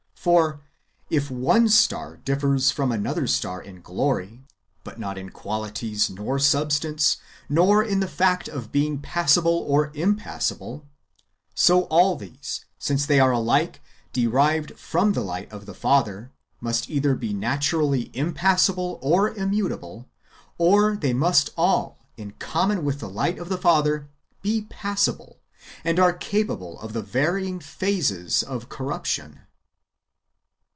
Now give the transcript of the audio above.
For if " one star differs from another star in glory," ^ but not in qualities, nor substance, nor in the fact of being passible or impassible ; so all these, since they are alike derived from the light of the Father, must either be naturally impassible and immutable, or they must all, in common with the light of the Father, be passible, and are capable of the varying phases of corruption.